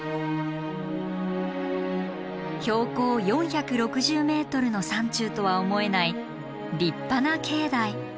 標高４６０ｍの山中とは思えない立派な境内。